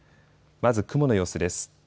まず雲の様子です。